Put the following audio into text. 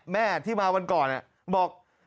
แม่ที่มาวันก่อนบอก